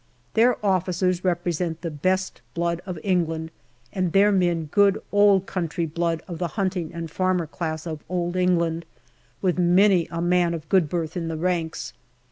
Their officers represent the best blood of England, and their men good old country blood of the hunting and farmer class of Old England, with many a man of good birth in the ranks.